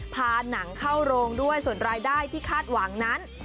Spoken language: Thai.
หนังเข้าโรงด้วยส่วนรายได้ที่คาดหวังนั้น